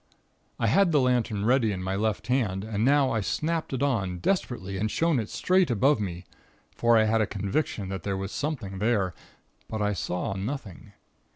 I had the lantern ready in my left hand, and now I snapped it on, desperately, and shone it straight above me, for I had a conviction that there was something there. But I saw nothing.